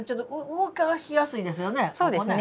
動かしやすいですよね。